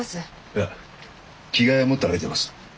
いや着替えは持って歩いてます。